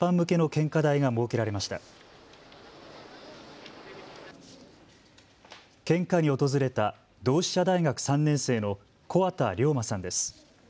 献花に訪れた同志社大学３年生の木幡涼真さんです。